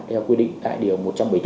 theo quy định tại điều một mươi một